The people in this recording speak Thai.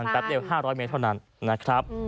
แป๊บเดียว๕๐๐เมตรเท่านั้นนะครับ